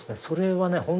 それはね